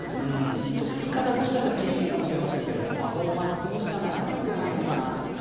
言い方、もしかしたら厳しいかもしれませんがパフォーマンスにしかならないのじゃないかな。